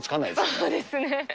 そうですね。